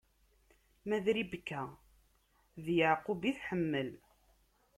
Ma d Ribka, d Yeɛqub i tḥemmel.